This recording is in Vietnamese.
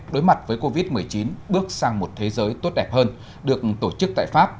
đối mặt với covid một mươi chín bước sang một thế giới tốt đẹp hơn được tổ chức tại pháp